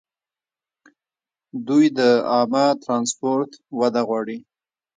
دوی د عامه ټرانسپورټ وده غواړي.